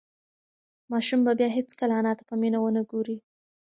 ماشوم به بیا هیڅکله انا ته په مینه ونه گوري.